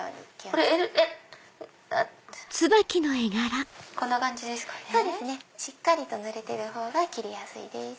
そうですねしっかりとぬれてるほうが切りやすいです。